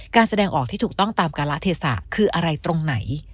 แสดงออกที่ถูกต้องตามการละเทศะคืออะไรตรงไหน